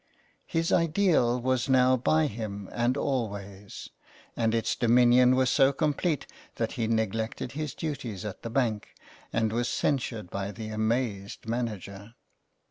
His ideal was now by him and always, and its dominion was so complete that he neglected his duties at the bank, and was censured by the amazed manager.